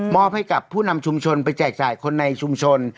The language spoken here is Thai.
อบให้กับผู้นำชุมชนไปแจกจ่ายคนในชุมชน